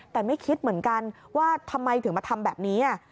แต่ไม่คิดเหมือนกันว่าทำไมถึงมาทำแบบนี้